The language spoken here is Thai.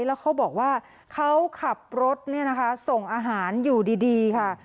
แล้วเขาบอกว่าเขาขับรถส่งอาหารอยู่ดีค่ะ